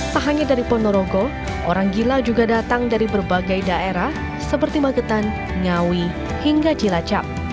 tak hanya dari ponorogo orang gila juga datang dari berbagai daerah seperti magetan ngawi hingga cilacap